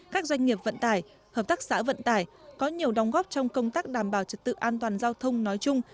các doanh nghiệp vận tải hợp tác xã vận tải có nhiều đóng góp trong công tác đảm bảo trật tự an toàn giao thông nói chung